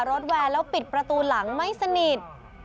แวร์แล้วปิดประตูหลังไม่สนิท